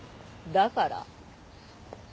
だから？